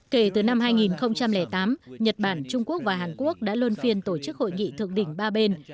kể từ năm hai nghìn tám nhật bản trung quốc và hàn quốc đã lơn phiên tổ chức hội nghị thượng đỉnh ba bên